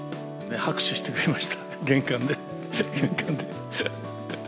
拍手してくれました、玄関で、玄関で。